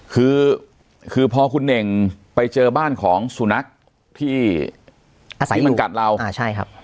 คือพอคุณเน่งไปเจอบ้านของสุนัขที่มันกัดเรา